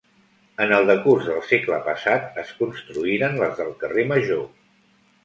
En el decurs del segle passat es construïren les del carrer Major.